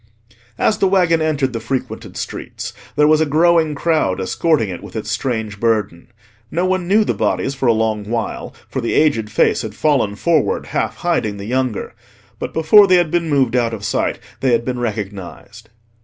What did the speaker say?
As the waggon entered the frequented streets there was a growing crowd escorting it with its strange burden. No one knew the bodies for a long while, for the aged face had fallen forward, half hiding the younger. But before they had been moved out of sight, they had been recognised.